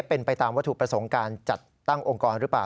เป็นไปตามวัตถุประสงค์การจัดตั้งองค์กรหรือเปล่า